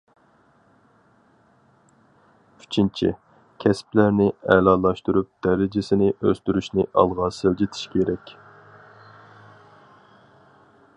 ئۈچىنچى، كەسىپلەرنى ئەلالاشتۇرۇپ دەرىجىسىنى ئۆستۈرۈشنى ئالغا سىلجىتىش كېرەك.